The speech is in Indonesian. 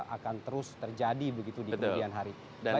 akan terus terjadi begitu di kemudian hari